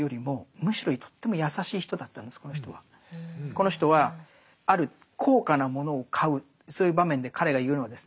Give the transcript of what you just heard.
この人はある高価なものを買うそういう場面で彼が言うのはですね